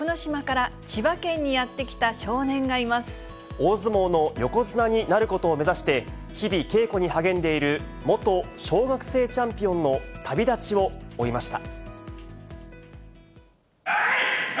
大相撲の横綱になることを目指して、日々、稽古に励んでいる元小学生チャンピオンの旅立ちを追いました。